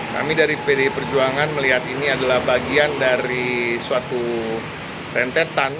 kami dari pdi perjuangan melihat ini adalah bagian dari suatu rentetan